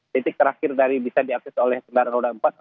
titik terakhir dari bisa diakses oleh kendaraan roda empat